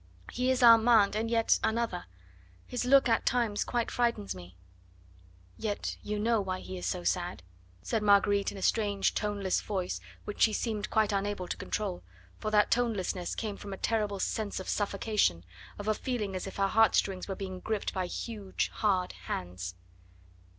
He is Armand and yet another; his look at times quite frightens me." "Yet you know why he is so sad," said Marguerite in a strange, toneless voice which she seemed quite unable to control, for that tonelessness came from a terrible sense of suffocation, of a feeling as if her heart strings were being gripped by huge, hard hands.